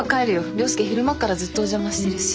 涼介昼間っからずっとお邪魔してるし。